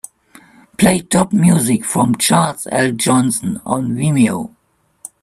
Play top music from Charles L. Johnson on vimeo